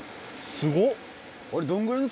すごっ。